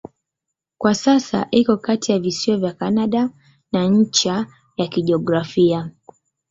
Kwa sasa iko kati ya visiwa vya Kanada na ncha ya kijiografia.